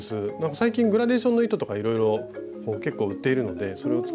最近グラデーションの糸とかいろいろ結構売っているのでそれを使って。